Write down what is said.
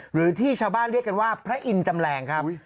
หรือที่ชาวบ้านเรียกกันว่าพระอินทร์จำแรงครับ